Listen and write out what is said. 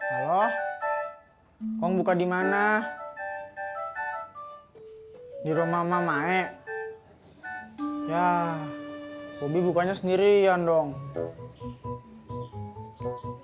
halo kong buka dimana di rumah mama eh ya bobby bukanya sendiri yandong ya udah